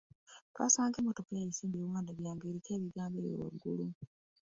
Twasanga emmotoka eyo esimbye e Wandegeya ng'eriko ebigambo ebyo waggulu.